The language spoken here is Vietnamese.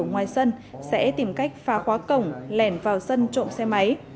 nhà dân sẽ tìm cách phá khóa cổng lèn vào dân trộm xe máy